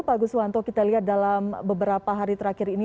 pak guswanto kita lihat dalam beberapa hari terakhir ini